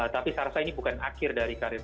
tapi saya rasa ini bukan akhir dari karir